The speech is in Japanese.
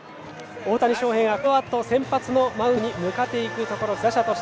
大谷翔平がこのあと先発のマウンドに向かっていくところです。